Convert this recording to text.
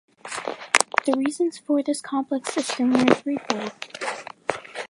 The reasons for this complex system were threefold.